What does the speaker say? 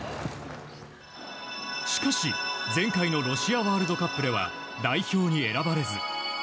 しかし、前回のロシアワールドカップでは代表に選ばれず。